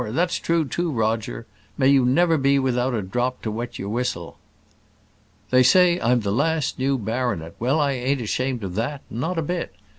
That's true too, Roger; may you never be without a drop to wet your whistle." "They say I'm the last new baronet. Well, I ain't ashamed of that; not a bit.